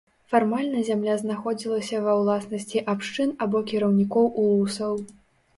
Фармальна зямля знаходзілася ва ўласнасці абшчын або кіраўнікоў улусаў.